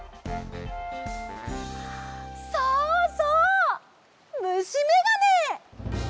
そうそうむしめがね！